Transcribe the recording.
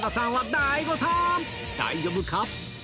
大丈夫か？